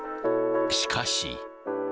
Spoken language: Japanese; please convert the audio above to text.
しかし。